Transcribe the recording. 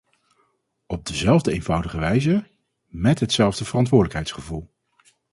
Op dezelfde eenvoudige wijze, met hetzelfde verantwoordelijkheidsgevoel.